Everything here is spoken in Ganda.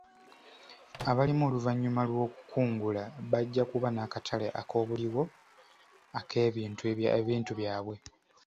Abalima oluvannyuma lw'okukungula bajja kuba n'akatale ak'obuliwo ak'ebintu byabwe.